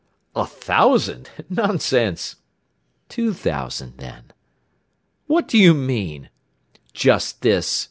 "A thousand! Nonsense " "Two thousand, then." "What do you mean " "Just this!"